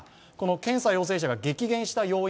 検査陽性者が激減した要因